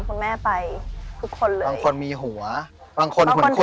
ชื่องนี้ชื่องนี้ชื่องนี้ชื่องนี้ชื่องนี้